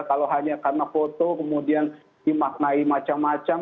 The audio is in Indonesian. kalau hanya karena foto kemudian dimaknai macam macam